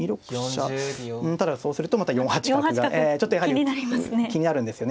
ただそうするとまた４八角がちょっとやはり気になるんですよね。